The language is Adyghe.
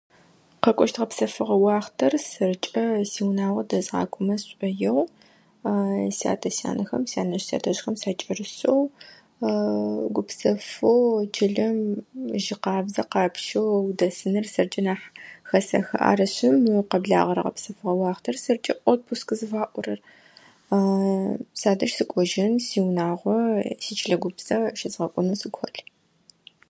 Къэкӏощт гъэпсэфыгъо уахътэр сэркӏэ сиунагъо дэзгъакӏомэ сшӏоигъу сятэ сянэхэм, сянэжъ сятэжъхэм сакӏэрысэу. Гупсэфэу чылэм жьы къабзэ къапщэу удэсыныр сэркӏэ нахь хэсэхы. Арышъы мы къэблагъэрэ гъэпсэфыгъо уахътэр сэркӏэ отпуск зыфаӏорэр садэжь сыкӏожьын, сиунагъо, сичылэ гупсэ щызгъэкӏонэу сыгу хэлъ.